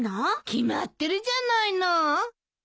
決まってるじゃないの。